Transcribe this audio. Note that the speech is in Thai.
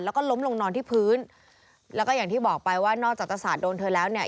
แล้วก็ล้มลงนอนที่พื้นแล้วก็อย่างที่บอกไปว่านอกจากจะสาดโดนเธอแล้วเนี่ย